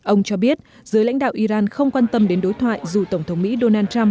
ông cho biết giới lãnh đạo iran không quan tâm đến đối thoại dù tổng thống mỹ donald trump